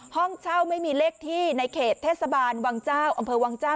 ห้องเช่าไม่มีเลขที่ในเขตเทศบาลวังเจ้าอำเภอวังเจ้า